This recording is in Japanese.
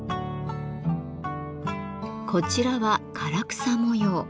こちらは唐草模様。